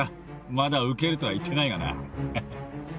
まだ受けるとは言ってないがな。